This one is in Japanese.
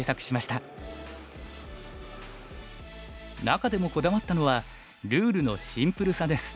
中でもこだわったのはルールのシンプルさです。